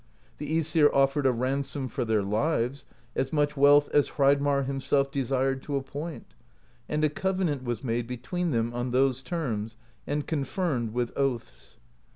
The ^Esir offered a ransom for their lives, as much wealth as Hreidmarr himself desired to appoint; and a covenant was made between them on those terms, and confirmed with oaths.